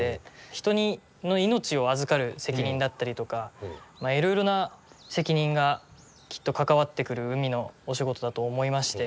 人の命を預かる責任だったりとかいろいろな責任がきっと関わってくる海のお仕事だと思いまして。